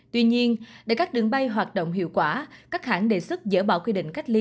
tuy nhiên để các đường bay hoạt động hiệu quả các hãng đề xuất dỡ bỏ quy định cách ly